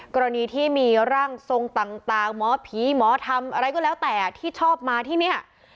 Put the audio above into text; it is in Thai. กรณีที่มีร่างทรงต่างหมอผีหมอทำอะไรก็แล้วแต่ที่ชอบมาที่เนี่ย